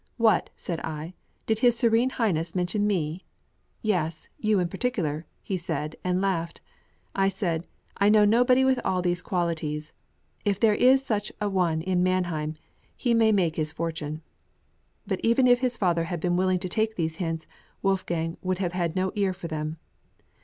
"What!" said I, "did his Serene Highness mention me?" "Yes; you in particular," said he, and laughed. I said, "I know nobody with all these qualities." If there is such an one in Mannheim, he may make his fortune. But even if his father had been willing to take these hints, Wolfgang would have had no ear for them.